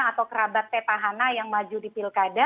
atau kerabat petahana yang maju di pilkada